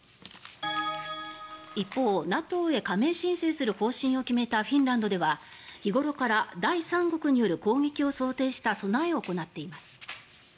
一方、ＮＡＴＯへ加盟申請する方針を決めたフィンランドでは日頃から第三国による攻撃を想定した備えを行っています。